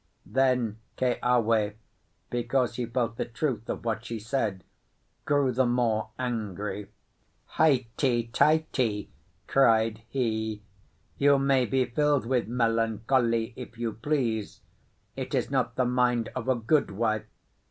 Then Keawe, because he felt the truth of what she said, grew the more angry. "Heighty teighty!" cried he. "You may be filled with melancholy if you please. It is not the mind of a good wife.